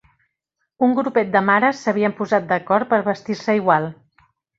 Un grupet de mares s'havien posat d'acord per vestir-se igual.